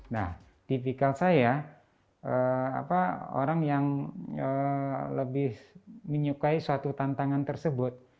nah tipikal saya orang yang lebih menyukai suatu tantangan tersebut